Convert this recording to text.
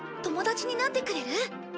友達になってくれる？